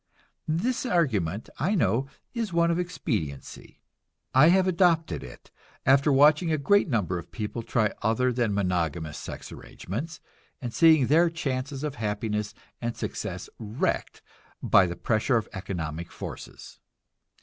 This argument, I know, is one of expediency. I have adopted it, after watching a great number of people try other than monogamous sex arrangements, and seeing their chances of happiness and success wrecked by the pressure of economic forces.